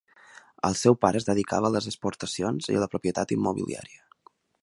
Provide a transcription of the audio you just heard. El seu pare es dedicava a les exportacions i a la propietat immobiliària.